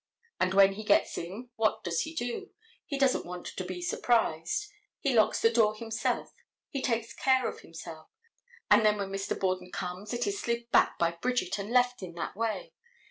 And when he gets in what does he do? He doesn't want to be surprised. He locks the door himself, he takes care of himself, and then when Mr. Borden comes it is slid back by Bridget and left in that way.